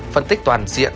phân tích toàn diện